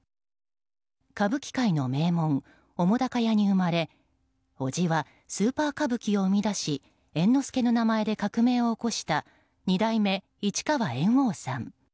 歌舞伎界の名門・澤瀉屋に生まれおじは「スーパー歌舞伎」を生み出し猿之助の名前で革命を起こした二代目市川猿翁さん。